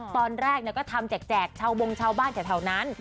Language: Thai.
ตอนแรกก็ทำแจกเช่าบงเช่าบ้านจากแถวนั้น